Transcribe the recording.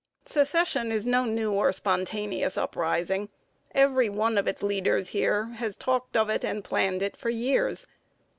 Secession is no new or spontaneous uprising; every one of its leaders here has talked of it and planned it for years.